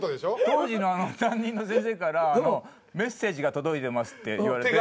当時の担任の先生からメッセージが届いてますって言われて。